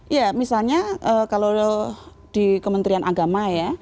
ya misalnya kalau di kementerian agama ya